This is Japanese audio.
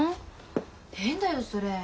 変だよそれ。